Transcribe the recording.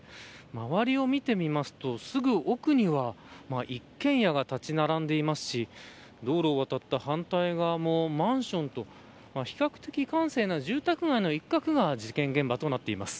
周りを見てみますと、すぐ奥には一軒家が立ち並んでいますし道路を渡った反対側も、マンションと比較的、閑静な住宅街の一角が事件現場となっています。